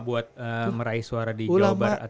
buat meraih suara di jawa barat